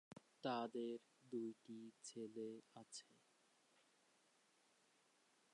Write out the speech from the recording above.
তাদের দুইটি ছেলে আছে।